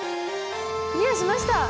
クリアしました。